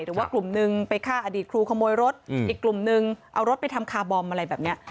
หรือว่ากลุ่มนึงไปฆ่าอดีตครูขโมยรถอีกกลุ่มนึงเอารถไปทำคาร์บอมอะไรแบบนี้